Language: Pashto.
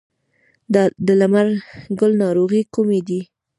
د لمر ګل ناروغۍ کومې دي؟